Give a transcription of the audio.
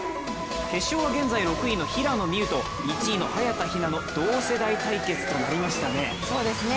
決勝は現在６位の平野美宇と１位の早田ひなの同世代対決となりましたね。